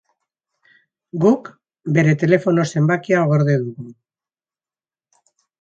Guk bere telefono zenbakia gorde dugu!